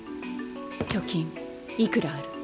貯金いくらある？